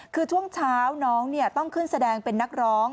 คือช่วงเช้าน้องต้องขึ้นแสดงเป็นนักร้อง